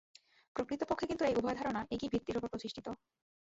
প্রকৃতপক্ষে কিন্তু এই উভয় ধারণা একই ভিত্তির উপর প্রতিষ্ঠিত।